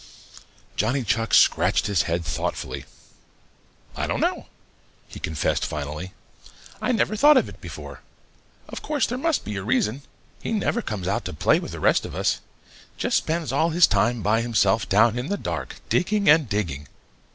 Johnny Chuck scratched his head thoughtfully. "I don't know," he confessed finally. "I never thought of it before. Of course there must be a reason. He never comes out to play with the rest of us just spends all his time by himself down in the dark, digging and digging.